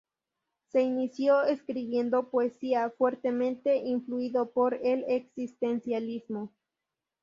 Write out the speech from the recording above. Se inició escribiendo poesía, fuertemente influido por el existencialismo.